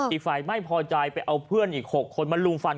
อีกฝ่ายไม่พอใจไปเอาเพื่อนอีก๖คนมาลุมฟัน